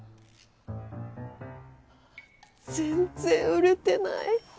全然売れてない。